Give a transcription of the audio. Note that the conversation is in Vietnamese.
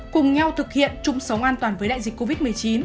cùng nhau thực hiện chung sống an toàn với đại dịch covid một mươi chín